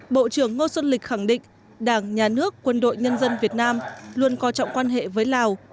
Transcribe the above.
bộ trưởng ngô xuân lịch khẳng định đảng nhà nước quân đội nhân dân việt nam luôn coi trọng quan hệ với lào